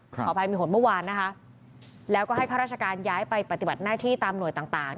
ขออภัยมีผลเมื่อวานนะคะแล้วก็ให้ข้าราชการย้ายไปปฏิบัติหน้าที่ตามหน่วยต่าง